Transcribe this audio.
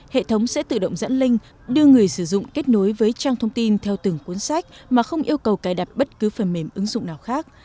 hệ thống sẽ tự động dẫn link đưa người sử dụng kết nối với trang thông tin theo từng cuốn sách mà không yêu cầu cài đặt bất cứ phần mềm ứng dụng nào khác